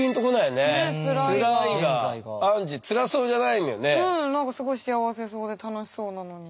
ねえ何かすごい幸せそうで楽しそうなのに。